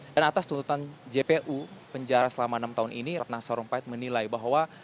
atas tuntutan jpu penjara selama enam tahun ini ratna sarumpait menilai bahwa